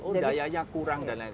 oh dayanya kurang dan lain lain